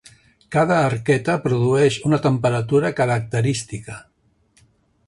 Cada arqueta produeix una temperatura característica.